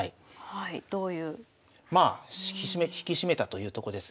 まあ引き締めたというとこです。